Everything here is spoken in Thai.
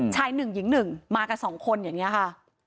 ชายหนึ่งหญิงหนึ่งมากัน๒คนอย่างนี้ค่ะ